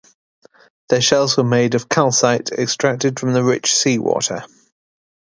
Their shells were made of calcite extracted from the rich sea-water.